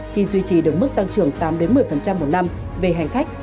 khi duy trì được mức tăng trưởng tám một mươi một năm về hành khách